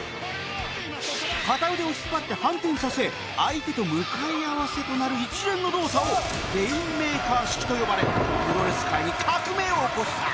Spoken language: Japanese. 片腕を引っ張って反転させ相手と向かい合わせとなる一連の動作をレインメーカー式と呼ばれプロレス界に革命を起こした！